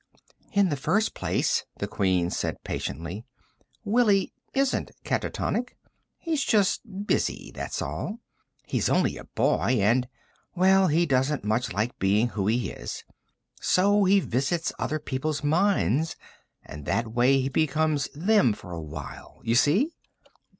"In the first place," the Queen said patiently, "Willie isn't catatonic. He's just busy, that's all. He's only a boy, and ... well, he doesn't much like being who he is. So he visits other people's minds, and that way he becomes them for a while. You see?"